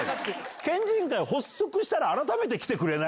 県人会発足したら、改めて来てくれない？